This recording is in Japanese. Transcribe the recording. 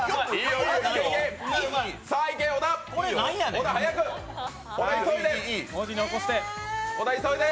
小田、早く、小田、急いで。